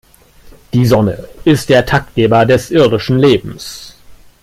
Die Sonne ist der Taktgeber des irdischen Lebens.